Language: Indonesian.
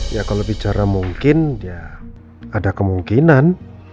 ya kalau bicara mungkin ya ada kemungkinan